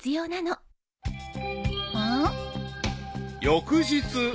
［翌日］